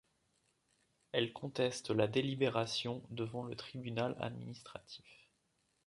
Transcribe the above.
Elle conteste la délibération devant le tribunal administratif.